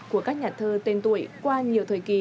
của các nhà thơ tên tuổi qua nhiều thời kỳ